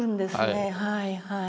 はいはい。